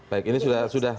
baik ini sudah